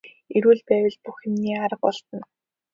Эрүүл байвал бүх юмны арга олдоно.